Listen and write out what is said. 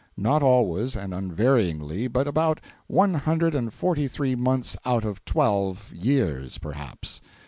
Not always and unvaryingly, but about one hundred and forty three months out of twelve years, perhaps.